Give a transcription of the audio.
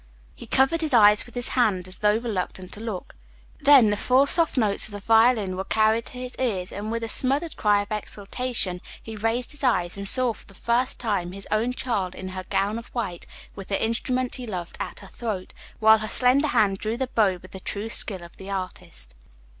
He covered his eyes with his hand as though reluctant to look. Then the full, soft notes of the violin were carried to his ears, and with a smothered cry of exultation he raised his eyes and saw for the first time his own child in her gown of white with the instrument he loved at her throat, while her slender hand drew the bow with the true skill of the artist.